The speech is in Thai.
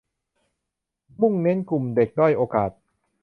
มุ่งเน้นกลุ่มเด็กด้อยโอกาส